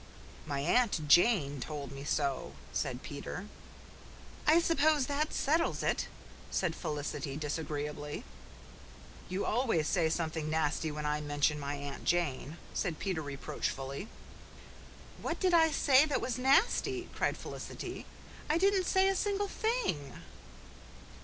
"My Aunt Jane told me so," said Peter. "I suppose that settles it," said Felicity disagreeably. "You always say something nasty when I mention my Aunt Jane," said Peter reproachfully. "What did I say that was nasty?" cried Felicity. "I didn't say a single thing."